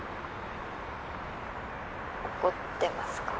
「怒ってますか？」